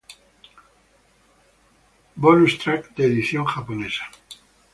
Bonus track de edición japonesa